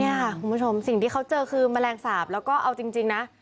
นี่ค่ะคุณผู้ชมสิ่งที่เขาเจอคือแมลงสาปแล้วก็เอาจริงนะ